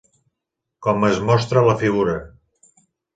Com es mostra a la figura.